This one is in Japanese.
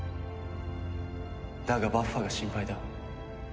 だがバッファが心配だ。